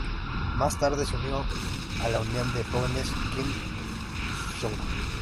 Más tarde de unió a la Unión de jóvenes Kim Il-sung.